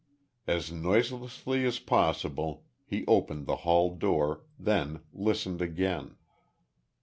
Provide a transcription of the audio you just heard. As noiselessly as possible he opened the hall door, then listened again.